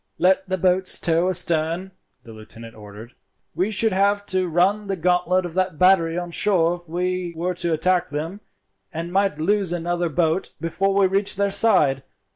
"Let the boats tow astern," the lieutenant ordered. "We should have to run the gauntlet of that battery on shore if we were to attack them, and might lose another boat before we reached their side.